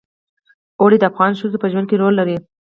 اوړي د افغان ښځو په ژوند کې رول لري.